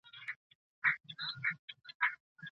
زغم د ارامتیا کیلي ده.